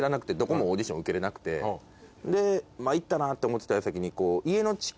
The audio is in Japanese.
で参ったなって思ってた矢先に。